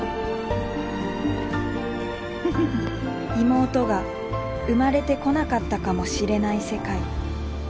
妹が生まれてこなかったかもしれない世界。